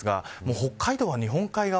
北海道は日本海側